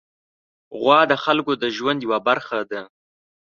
غوا د خلکو د ژوند یوه برخه ده.